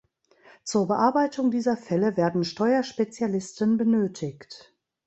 Zur Bearbeitung dieser Fälle werden Steuerspezialisten benötigt.